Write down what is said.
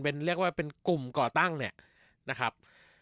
เป็นเรียกว่ากลุ่มก่อตั้งนะครับ